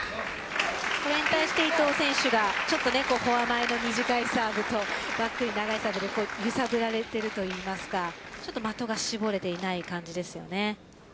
それに対して伊藤選手が短いサーブとバックに長いサーブで揺さぶられているといいますかちょっと的が絞れていない感じです。